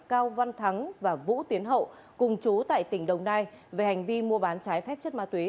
cao văn thắng và vũ tiến hậu cùng chú tại tỉnh đồng nai về hành vi mua bán trái phép chất ma túy